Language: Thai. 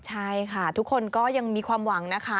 ใช่ค่ะทุกคนก็ยังมีความหวังนะคะ